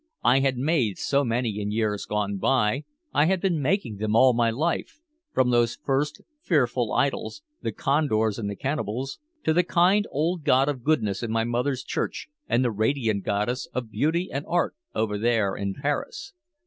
I had made so many in years gone by, I had been making them all my life from those first fearful idols, the condors and the cannibals, to the kind old god of goodness in my mother's church and the radiant goddess of beauty and art over there in Paris.